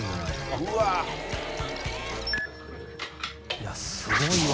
いやすごいわ。